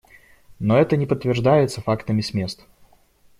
Но это не подтверждается фактами с мест.